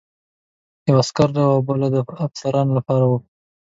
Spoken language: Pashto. یوه د عسکرو او بله د افسرانو لپاره وه.